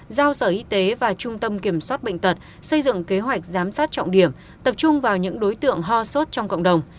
giao sở y tế và trung tâm kiểm soát bệnh tật xây dựng kế hoạch giám sát trọng điểm tập trung vào những đối tượng ho sốt trong cộng đồng